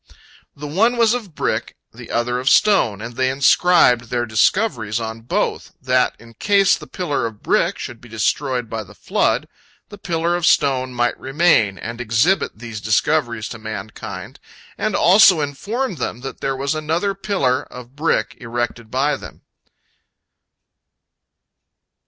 The one was of brick, the other of stone, and they inscribed their discoveries on both, that in case the pillar of brick should be destroyed by the flood, the pillar of stone might remain, and exhibit these discoveries to mankind, and also inform them that there was another pillar, of brick, erected by them.